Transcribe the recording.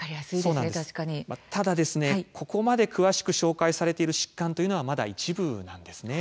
ただ、ここまで詳しく紹介されている疾患というのはまだ一部なんです。